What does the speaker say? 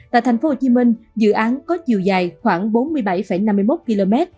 tại thành phố hồ chí minh dự án có chiều dài khoảng bốn mươi bảy năm mươi một km